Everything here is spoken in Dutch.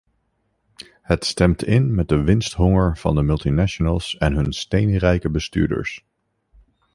Het stemt in met de winsthonger van de multinationals en hun steenrijke bestuurders.